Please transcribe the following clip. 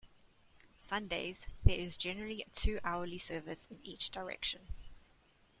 Sundays, there is generally a two-hourly service in each direction.